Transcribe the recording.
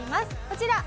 こちら。